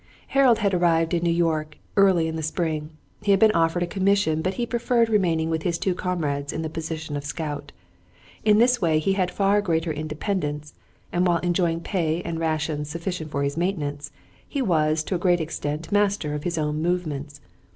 Harold had arrived in New York early in the spring. He had been offered a commission, but he preferred remaining with his two comrades in the position of scout. In this way he had far greater independence, and while enjoying pay and rations sufficient for his maintenance, he was to a great extent master of his own movements.